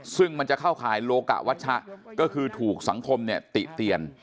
ซึ่งมันจะเข้าข่ายโลกะวัชชะก็คือถูกสังคมเนี่ยติเตียน